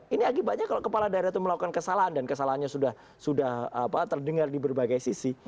ini akibatnya kalau kepala daerah itu melakukan kesalahan dan kesalahannya sudah terdengar di berbagai sisi